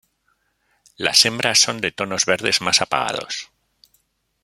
Las hembras son de tonos verdes más apagados.